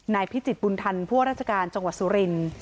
พิจิตบุญธรรมพวกราชการจังหวัดสุรินทร์